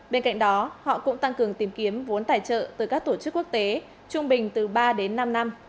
bên cạnh đó họ cũng tăng cường tìm kiếm vốn tài trợ từ các tổ chức quốc tế trung bình từ ba đến năm năm